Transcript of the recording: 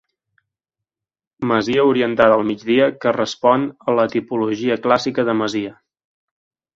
Masia orientada al migdia que respon a la tipologia clàssica de masia.